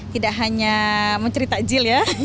tidak hanya mencerita jil ya